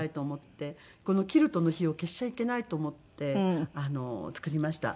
このキルトの火を消しちゃいけないと思って作りました。